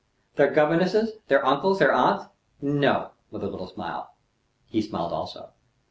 "Their governesses, their uncles, their aunts?" "No," with a little smile. He smiled also.